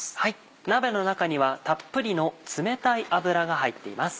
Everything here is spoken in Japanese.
鍋の中にはたっぷりの冷たい油が入っています。